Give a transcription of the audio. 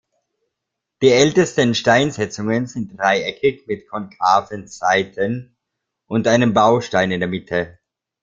Die ältesten Steinsetzungen sind dreieckig mit konkaven Seiten und einem Bautastein in der Mitte.